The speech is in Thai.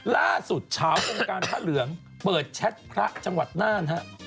ล่าสุดเช้าวงการพระเหลืองเปิดแชตพระจังหวัดน่าน